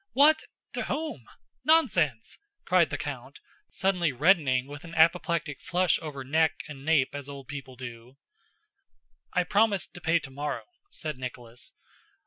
"What! To whom?... Nonsense!" cried the count, suddenly reddening with an apoplectic flush over neck and nape as old people do. "I promised to pay tomorrow," said Nicholas.